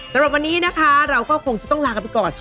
สำหรับวันนี้นะคะเราก็คงจะต้องลากันไปก่อน